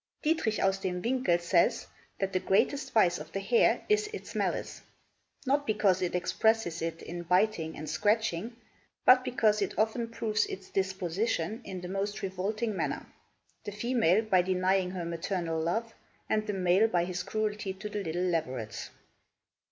Dietrich Aus Dem Winckell says that the greatest vice of the hare is its malice, not because it expresses it in biting and scratching, but because it often proves its disposition in the most revolting manner, the female by denying her maternal love, and the male by his cruelty to the little leverets.